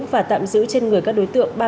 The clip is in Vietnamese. và tạm giữ trên người các đối tượng